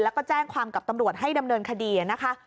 แล้วก็แจ้งความกับตำรวจให้ดำเนินคดีนะคะ